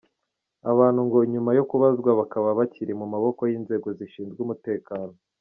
Aba bantu ngo nyuma yo kubazwa bakaba bakiri mu maboko y’inzego zishinzwe umutekano.